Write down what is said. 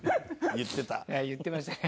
言ってましたね。